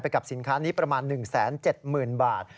กับสินค้านี้ประมาณ๑๗๐๐๐บาท